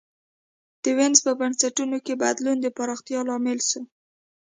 د وینز په بنسټونو کي بدلون د پراختیا لامل سو.